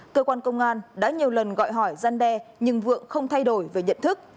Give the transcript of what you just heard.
cơ quan công an đã nhiều lần gọi hỏi gian đe nhưng vượng không thay đổi về nhận thức